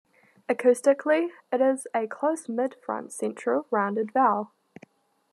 Acoustically, it is a close-mid front-central rounded vowel.